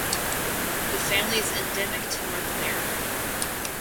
The family is endemic to North America.